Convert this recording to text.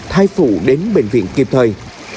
thai phụ đến bệnh viện kịp thời